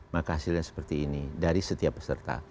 maka hasilnya seperti ini dari setiap peserta